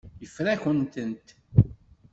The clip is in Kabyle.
Yeffer-akent-tent.